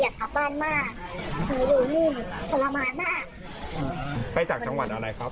ขนาคารช้อปปี้ราซาด้าผลส่งมันสามารถชอบ